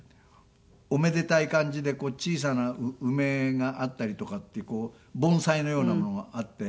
おめでたい感じで小さな梅があったりとかっていう盆栽のようなものがあって。